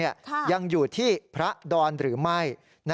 ยังอยู่ที่พระดอนหรือไม่